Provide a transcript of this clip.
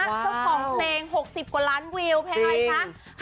เจ้าของเพลง๖๐กว่าล้านวิวเพลงอะไรคะ